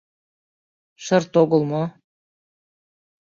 Шырт огыл мо!..